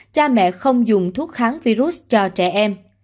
cha mẹ không dùng thuốc kháng virus cho trẻ em